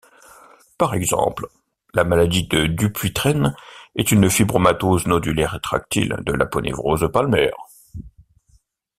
Par exemple, la maladie de Dupuytren est une fibromatose nodulaire rétractile de l'aponévrose palmaire.